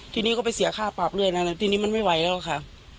ทีนี้ก็ไปเสียค่าปรับด้วยนะทีนี้มันไม่ไหวแล้วค่ะ